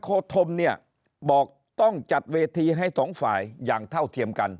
โคธมเนี่ยบอกต้องจัดเวทีให้สองฝ่ายอย่างเท่าเทียมกัน